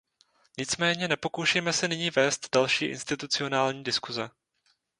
Nicméně nepokoušejme se nyní vést další institucionální diskuse.